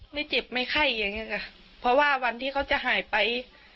ไม่เจ็บไม่ไข้อย่างเงี้ค่ะเพราะว่าวันที่เขาจะหายไป